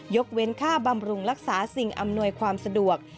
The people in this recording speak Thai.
ยกเว้นค่าบำรุงรักษาสิ่งอำนวยความสะดวก